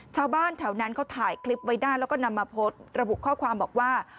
ชาวบ้านแถวนั้นเขาถ่ายคลิปไว้ได้แล้วก็นำมาโพสต์ระบุข้อความบอกว่า